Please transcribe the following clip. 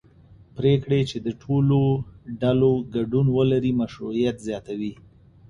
پرېکړې چې د ټولو ډلو ګډون ولري مشروعیت زیاتوي